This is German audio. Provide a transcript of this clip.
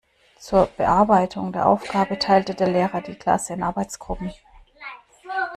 Zur Bearbeitung der Aufgabe teilte der Lehrer die Klasse in Arbeitsgruppen.